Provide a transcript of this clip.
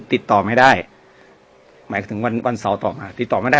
ติดต่อไม่ได้หมายถึงวันวันเสาร์ต่อมาติดต่อไม่ได้